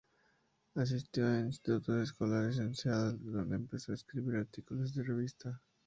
Asistió a Institutos Escolares en Seattle, donde empezó a escribir artículos de revista.